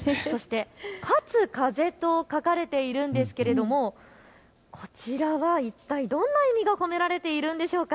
勝風と書かれているんですけれどこちらにはいったいどんな意味が込められているんでしょうか。